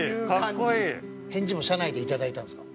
返事も車内でいただいたんですか？